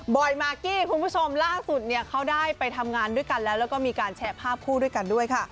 บอยด์มาร์กิล่าสุดก็ไปทำงานด้วยกันแล้วก็มีการแชร์ภาพผู้ด้วยกัน